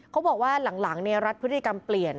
เขาบอกว่าหลังรัฐพฤติกรรมเปลี่ยน